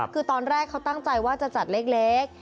คือตอนแรกเขาตั้งใจว่าจะจัดเล็ก